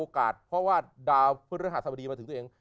ไปพระหม้าก็ชาเวดากอง